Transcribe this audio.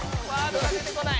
出てこない。